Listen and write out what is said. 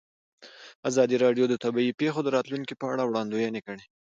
ازادي راډیو د طبیعي پېښې د راتلونکې په اړه وړاندوینې کړې.